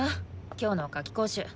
今日の夏期講習。